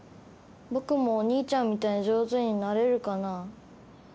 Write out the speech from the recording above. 僕もお兄ちゃんみたいに上手になれるかな？